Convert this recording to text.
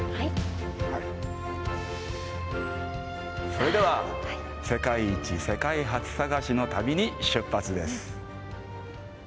それでは世界一・世界初探しの旅に出発です。